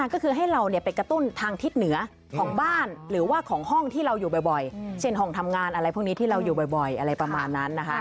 ก็คือให้เราไปกระตุ้นทางทิศเหนือของบ้านหรือว่าของห้องที่เราอยู่บ่อยเช่นห้องทำงานอะไรพวกนี้ที่เราอยู่บ่อยอะไรประมาณนั้นนะคะ